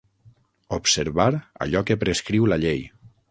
Observar allò que prescriu la llei.